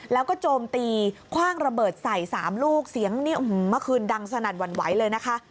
แล้วก็โจมตีคว่างระเบิดใส่๓ลูกเสียงนี่เมื่อคืนดังสนั่นหวั่นไหวเลยนะคะ